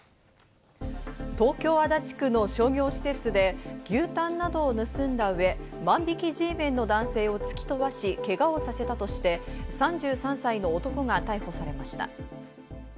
東京・足立区の商業施設で牛タンなどを盗んだ上、万引きＧメンの男性を突き飛ばし、けがをさせたとして、３３歳の男が逮捕されました。